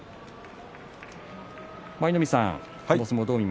舞の海さん